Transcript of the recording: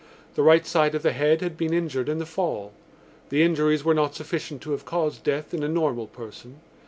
The right side of the head had been injured in the fall. The injuries were not sufficient to have caused death in a normal person.